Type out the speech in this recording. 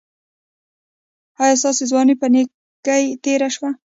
ایا ستاسو ځواني په نیکۍ تیره شوه؟